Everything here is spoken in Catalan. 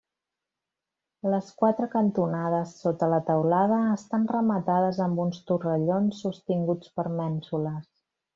Les quatre cantonades sota la teulada estan rematades amb uns torrellons sostinguts per mènsules.